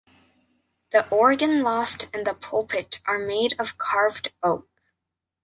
The organ loft and the pulpit are made of carved oak.